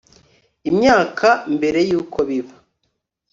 imyaka mbere y uko biba